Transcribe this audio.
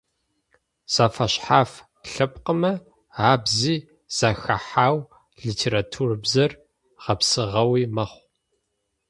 Зэфэшъхьаф лъэпкъымэ абзи зэхахьау литературабзэр гъэпсыгъэуи мэхъу.